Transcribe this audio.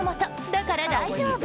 だから大丈夫。